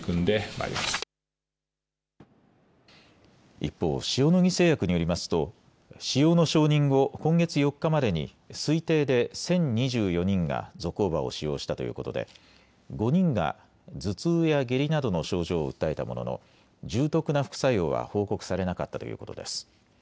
一方、塩野義製薬によりますと使用の承認後、今月４日までに推定で１０２４人がゾコーバを使用したということで５人が頭痛や下痢などの症状を訴えたものの重篤な副作用は報告されなかったということです。